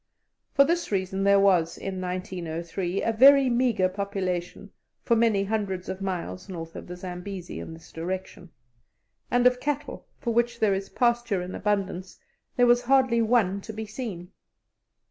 For this reason there was, in 1903, a very meagre population for many hundreds of miles north of the Zambesi in this direction; and of cattle, for which there is pasture in abundance, there was hardly one to be seen.